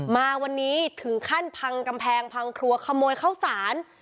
มาวันนี้ถึงขั้นพังกำแพงพังครัวขโมยข้าวสาร